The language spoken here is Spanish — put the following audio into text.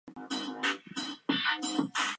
Su cabecera es Colón, con categoría de ciudad.